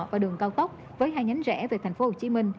và đường cao tốc với hai nhánh rẽ về tp hcm